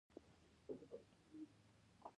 افغانستان د کوشاني تمدن مرکز و.